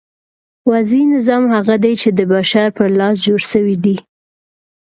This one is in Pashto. وضعي نظام هغه دئ، چي د بشر په لاس جوړ سوی دئ.